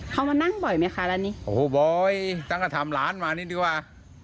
เขามานั่งบ่อยไหมคะร้านนี้โอ้โหบ่อยตั้งแต่ทำร้านมานี่ดีกว่า